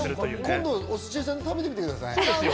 今度お寿司屋さんで食べてみなさい。